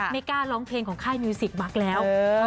ไม่กล้าร้องเพลงของค่ายมิวสิกมักแล้ว